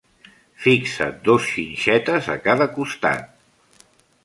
Fixa dos xinxetes a cada costat.